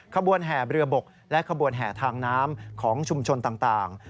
ขบวนแห่เรือบกและขบวนแห่ทางน้ำของชุมชนต่าง